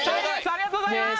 ありがとうございます！